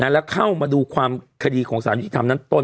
แล้วเข้ามาดูความคดีของสารยุติธรรมนั้นต้น